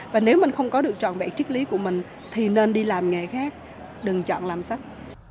và nếu mình không có được trọn vẹn triết lý của mình thì nên đi làm nghề khác đừng chọn làm sách